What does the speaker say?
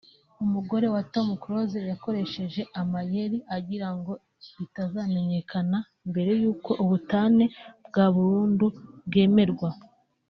umugore wa Tom Cruise yakoresheje amayeli agirango bitazamenyekana mbere y’uko ubutane bwa burundu bwemerwa